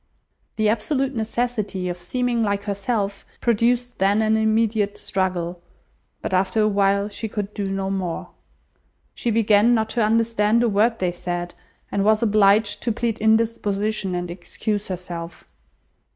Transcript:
The absolute necessity of seeming like herself produced then an immediate struggle; but after a while she could do no more. She began not to understand a word they said, and was obliged to plead indisposition and excuse herself.